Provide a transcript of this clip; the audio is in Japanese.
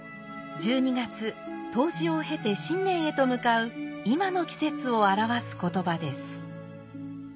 １２月冬至を経て新年へと向かう今の季節を表す言葉です。